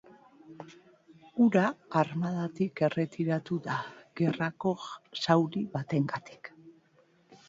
Hura Armadatik erretiratu da gerrako zauri batengatik.